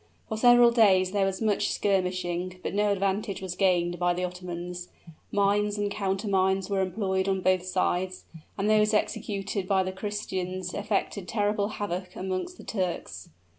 For several days there was much skirmishing, but no advantage was gained by the Ottomans. Mines and countermines were employed on both sides, and those executed by the Christians effected terrible havoc amongst the Turks.